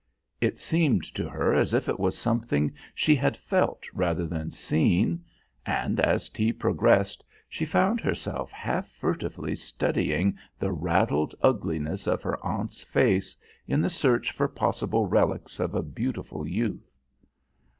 It seemed to her as if it was something she had felt rather than seen; and as tea progressed she found herself half furtively studying the raddled ugliness of her aunt's face in the search for possible relics of a beautiful youth.